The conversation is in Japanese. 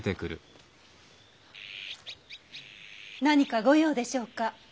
何かご用でしょうか。